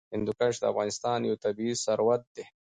هندوکش د افغانستان یو طبعي ثروت دی.